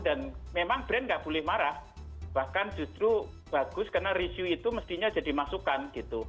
dan memang brand tidak boleh marah bahkan justru bagus karena review itu mestinya jadi masukan